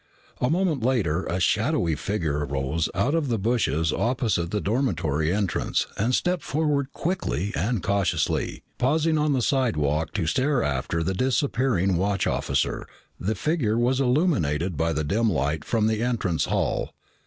A moment later a shadowy figure rose out of the bushes opposite the dormitory entrance and stepped forward quickly and cautiously. Pausing on the slidewalk to stare after the disappearing watch officer, the figure was illuminated by the dim light from the entrance hall.